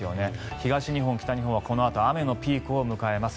東日本、北日本は、このあと雨のピークを迎えるんですよね。